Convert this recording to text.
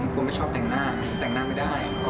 คุณไม่ชอบแต่งหน้าแต่งหน้าไม่ได้